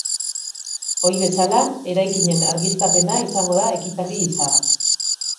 Ohi bezala, eraikinen argiztapena izango da ekitaldi izarra.